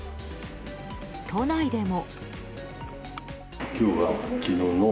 都内でも。